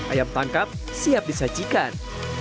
ayam tangkap siap disajikan